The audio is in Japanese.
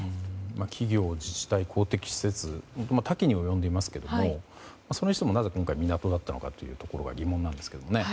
企業、自治体、公的施設多岐に及んでいますけどもそれにしても、なぜ今回港だったというところが疑問なんですけどね。